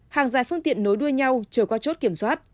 hàng dài phương tiện nối đuôi nhau chờ qua chốt kiểm soát